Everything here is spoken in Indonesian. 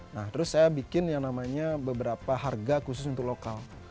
nah terus saya bikin yang namanya beberapa harga khusus untuk lokal